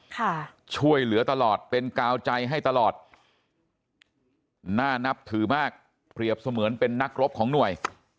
ค่ะช่วยเหลือตลอดเป็นกาวใจให้ตลอดน่านับถือมากเปรียบเสมือนเป็นนักรบของหน่วย